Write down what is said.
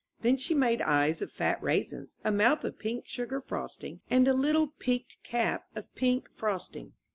Then she made eyes of fat raisins, a mouth of pink sugar frosting, and a little peaked cap of pink frosting.